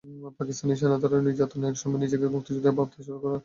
পাকিস্তানি সেনাদের নির্যাতনে একসময় নিজেকে মুক্তিযোদ্ধা ভাবতে শুরু করেন নুরুল হুদা।